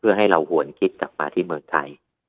เพื่อให้เราหวนคิดกลับมาที่เมืองไทย